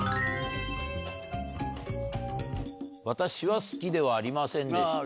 「私は好きではありませんでした」。